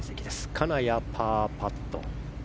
金谷、パーパット。